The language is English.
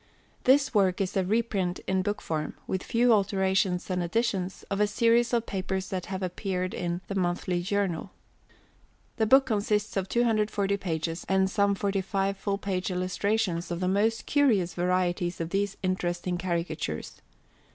This Work is a reprint in book form, with a few alterations and additions, of a series of papers that have appeared in "The Monthly Journal." The book consists of 240 pages and some 45 full page Illustrations of the most curious varieties of these interesting Caricatures.